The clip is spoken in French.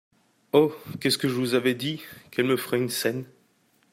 Oh ! qu’est-ce que je vous avais dit ! qu’elle me ferait une scène !